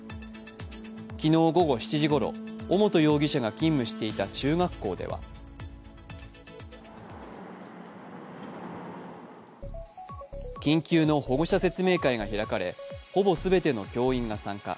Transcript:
昨日午後７時ごろ、尾本容疑者が勤務していた中学校では緊急の保護者説明会が開かれ、ほぼ全ての教員が参加。